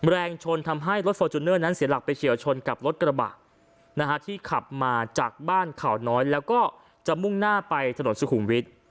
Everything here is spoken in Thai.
แรงชนทำให้รถฟอร์จูเนอร์นั้นเสียหลักไปเฉียวชนกับรถกระบะที่ขับมาจากบ้านเขาน้อยแล้วก็จะมุ่งหน้าไปถนนสุขุมวิทย์